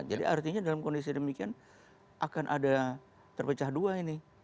jadi artinya dalam kondisi demikian akan ada terpecah dua ini